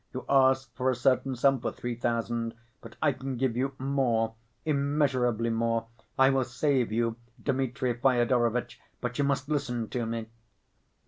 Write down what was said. You ask for a certain sum, for three thousand, but I can give you more, immeasurably more, I will save you, Dmitri Fyodorovitch, but you must listen to me."